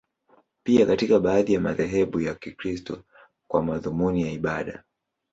Pia katika baadhi ya madhehebu ya Kikristo, kwa madhumuni ya ibada.